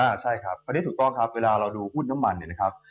ใช่ครับอันนี้ถูกต้องครับเวลาเราดูหุ้นน้ำมันเนี่ยนะครับ